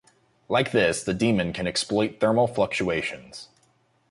Like this the demon can exploit thermal fluctuations.